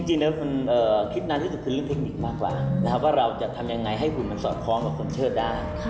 จริงแล้วมันคิดนานที่สุดคือเรื่องเทคนิคมากกว่าว่าเราจะทำยังไงให้หุ่นมันสอดคล้องกับคนเชิดได้